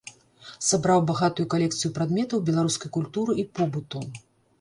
Сабраў багатую калекцыю прадметаў беларускай культуры і побыту.